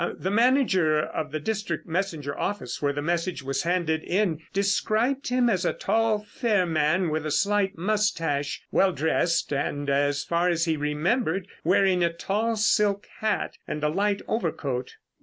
The manager of the district messenger office where the message was handed in described him as a tall, fair man with a slight moustache, well dressed, and, as far as he remembered, wearing a tall silk hat, and a light overcoat."